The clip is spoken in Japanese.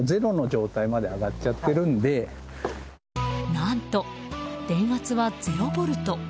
何と、電圧は０ボルト。